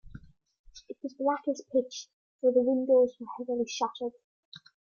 It was black as pitch, for the windows were heavily shuttered.